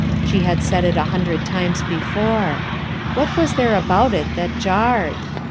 Site had said it a hundred times before. What was there about it that jarred?